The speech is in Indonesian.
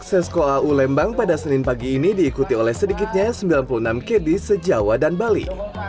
sesko au lembang pada senin pagi ini diikuti oleh sedikitnya sembilan puluh enam kd sejawa dan bali